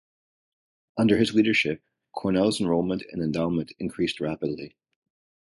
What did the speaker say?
Under his leadership, Cornell's enrollment and endowment increased rapidly.